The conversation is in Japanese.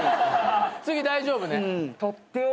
次大丈夫ね？